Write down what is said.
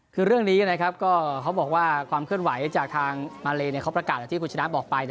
คือเรื่องนี้นะครับก็เขาบอกว่าความเคลื่อนไหวจากทางมาเลเขาประกาศอย่างที่คุณชนะบอกไป